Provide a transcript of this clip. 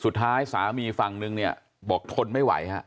สุดท้ายสามีฝั่งนึงเนี่ยบอกทนไม่ไหวฮะ